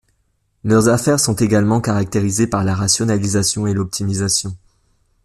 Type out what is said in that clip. Leurs affaires sont également caractérisées par la rationalisation et l'optimisation.